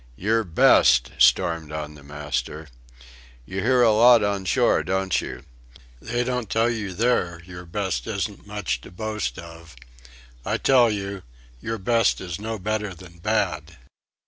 "Your best," stormed on the master; "You hear a lot on shore, don't you? They don't tell you there your best isn't much to boast of. I tell you your best is no better than bad."